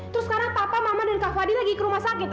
terus sekarang papa mama dan kak fadil lagi ke rumah sakit